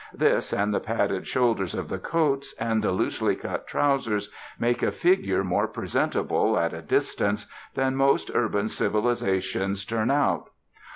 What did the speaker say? This, and the padded shoulders of the coats, and the loosely cut trousers, make a figure more presentable, at a distance, than most urban civilisations turn out.